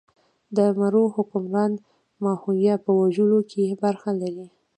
د مرو حکمران ماهویه په وژلو کې برخه لري.